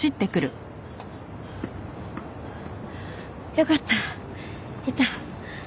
よかったいた。